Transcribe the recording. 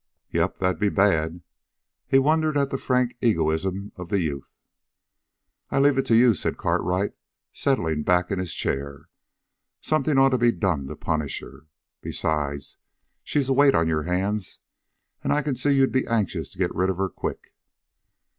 "Yep, that'd be bad." He wondered at the frank egoism of the youth. "I leave it to you," said Cartwright, settling back in his chair. "Something had ought to be done to punish her. Besides, she's a weight on your hands, and I can see you'd be anxious to get rid of her quick."